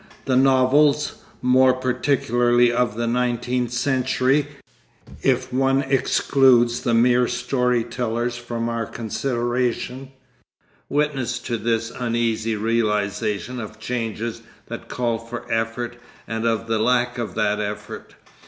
The novels more particularly of the nineteenth century, if one excludes the mere story tellers from our consideration, witness to this uneasy realisation of changes that call for effort and of the lack of that effort.